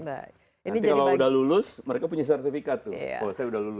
nanti kalau udah lulus mereka punya sertifikat tuh kalau saya udah lulus